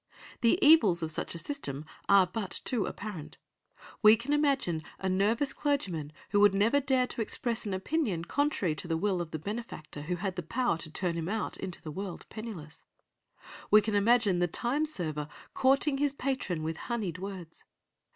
The evils of such a system are but too apparent. We can imagine a nervous clergyman who would never dare to express an opinion contrary to the will of the benefactor who had the power to turn him out into the world penniless; we can imagine the time server courting his patron with honied words.